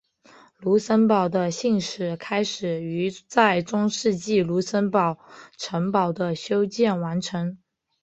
卢森堡的信史开始于在中世纪卢森堡城堡的修建完成。